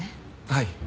はい。